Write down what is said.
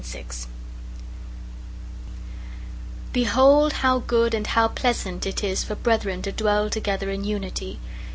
19:133:001 Behold, how good and how pleasant it is for brethren to dwell together in unity!